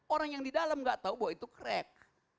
orang yang di dalam gak tahu bahwa itu crack